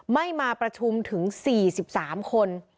ไม่มาประชุมถึง๔๓คน